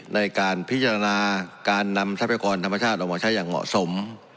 ในการพิจารณาการนำทรัพยากรธรรมชาติออกมาใช้อย่างเหมาะสม